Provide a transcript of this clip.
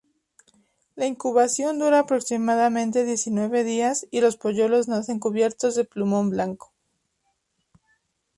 La incubación dura aproximadamente diecinueve días y los polluelos nacen cubiertos de plumón blanco.